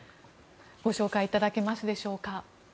ご紹介いただけますでしょうか。